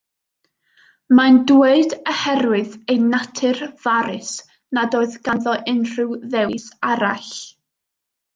Mae'n dweud, oherwydd ei natur farus, nad oedd ganddo unrhyw ddewis arall.